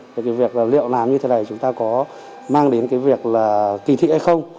về việc liệu làm như thế này chúng ta có mang đến cái việc là kỳ thị hay không